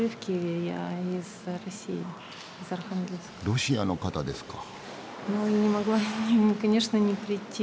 ロシアの方ですか。